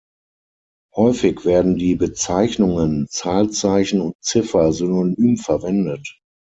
Häufig werden die Bezeichnungen Zahlzeichen und Ziffer synonym verwendet.